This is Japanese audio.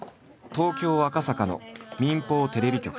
東京赤坂の民放テレビ局。